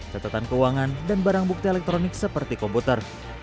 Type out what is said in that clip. catatan keuangan dan barang bukti elektronik seperti komputer